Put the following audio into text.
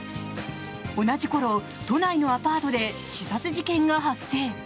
同じ頃、都内のアパートで刺殺事件が発生。